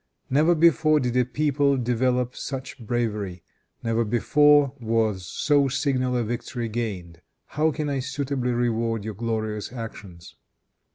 Never before did a people develop such bravery; never before was so signal a victory gained. How can I suitably reward your glorious actions?